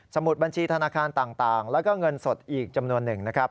มุดบัญชีธนาคารต่างแล้วก็เงินสดอีกจำนวนหนึ่งนะครับ